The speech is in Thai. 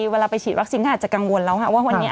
เวลาไปฉีดวัคซีนก็อาจจะกังวลแล้วว่าวันนี้